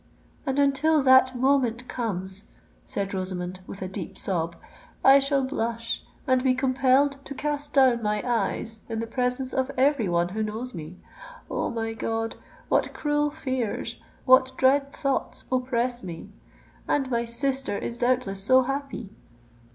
"And until that moment comes," said Rosamond, with a deep sob, "I shall blush and be compelled to cast down my eyes in the presence of every one who knows me. Oh! my God—what cruel fears—what dread thoughts oppress me! And my sister is doubtless so happy!